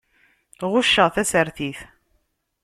Ɣucceɣ tasertit.